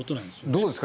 どうですか？